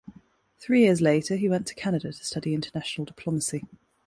Three years later he went to Canada to study international diplomacy.